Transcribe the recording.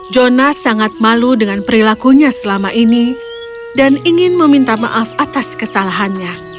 jonat sangat malu dengan perilakunya selama ini dan ingin meminta maaf atas kesalahannya